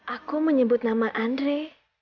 aku menyebut nama andre